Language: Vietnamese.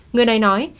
người này nói